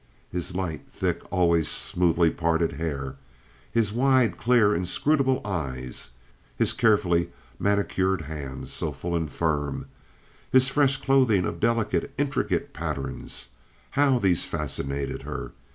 His light, thick, always smoothly parted hair, his wide, clear, inscrutable eyes, his carefully manicured hands, so full and firm, his fresh clothing of delicate, intricate patterns—how these fascinated her!